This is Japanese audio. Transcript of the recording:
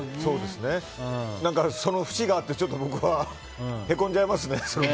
その節があって、ちょっと僕はへこんじゃないますね。